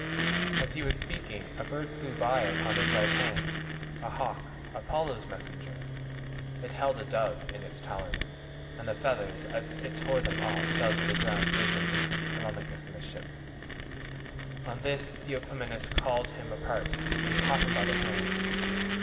As he was speaking a bird flew by upon his right hand—a hawk, Apollo's messenger. It held a dove in its talons, and the feathers, as it tore them off,138 fell to the ground midway between Telemachus and the ship. On this Theoclymenus called him apart and caught him by the hand.